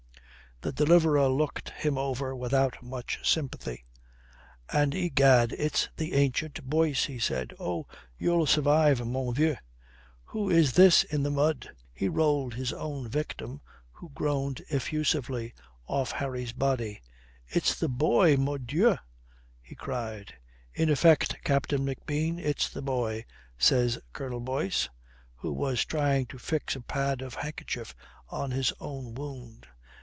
The deliverer looked him over without much sympathy: "And, egad, it's the ancient Boyce," he said. "Oh, you'll survive, mon vieux. Who is this in the mud?" He rolled his own victim, who groaned effusively, off Harry's body. "It's the boy, mordieu!" he cried. "In effect, Captain McBean, it's the boy," says Colonel Boyce, who was trying to fix a pad of handkerchief on his own wound.